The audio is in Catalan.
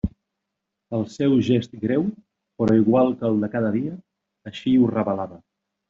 El seu gest greu, però igual que el de cada dia, així ho revelava.